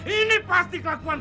ini pasti kelakuan